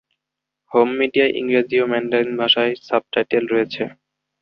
Home মিডিয়ায় ইংরেজি ও ম্যান্ডারিন ভাষার সাব টাইটেল রয়েছে।